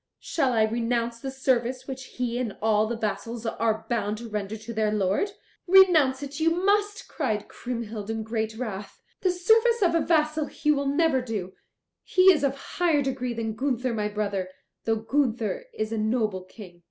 "Shall I renounce the service which he and all the vassals are bound to render to their lord?" "Renounce it you must," cried Kriemhild in great wrath. "The service of a vassal he will never do; he is of higher degree than Gunther my brother, though Gunther is a noble King."